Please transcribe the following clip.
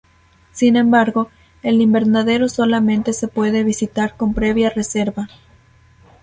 Sin embargo el invernadero solamente se puede visitar con previa reserva.